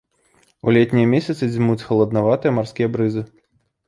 У летнія месяцы дзьмуць халаднаватыя марскія брызы.